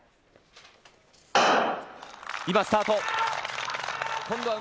今スタート。